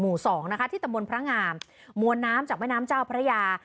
สองนะคะที่ตะมนต์พระงามมวลน้ำจากแม่น้ำเจ้าพระยา